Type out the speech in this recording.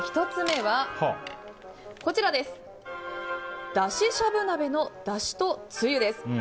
１つ目はだししゃぶ鍋のだしとつゆです。